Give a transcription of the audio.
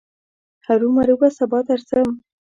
هرو مرو به سبا درځم.